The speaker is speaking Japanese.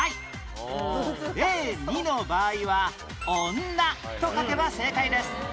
例２の場合は「女」と書けば正解です